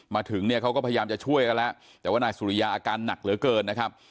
มาถึงเนี่ยเขาก็พยายามจะช่วยกันแล้วแต่ว่านายสุริยาอาการหนักเหลือเกินนะครับ